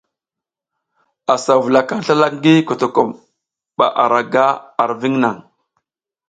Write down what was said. A sa vula kan slalak ngii kotokom ba ara ga ar viŋ naŋ.